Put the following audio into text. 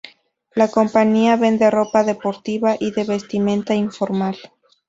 La compañía vende ropa deportiva y de vestimenta informal.